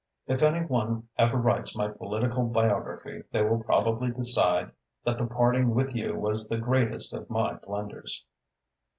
If any one ever writes my political biography, they will probably decide that the parting with you was the greatest of my blunders."